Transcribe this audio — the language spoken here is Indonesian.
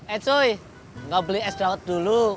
eh cuy enggak beli es dawet dulu